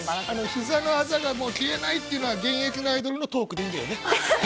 ひざのあざが消えないというのは現役のアイドルのトークでいいんだよね。